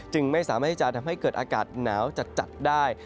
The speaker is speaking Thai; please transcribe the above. จึงไม่สามารถที่จะทำให้เกิดอากาศหนาวจัดได้